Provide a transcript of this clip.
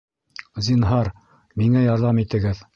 Зинһар, миңә ярҙам итегеҙ